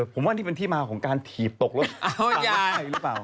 ผมว่านี่เป็นที่มาของการถีบตกรถขวัญอ้าวนะเย้มายไปหรือเปล่า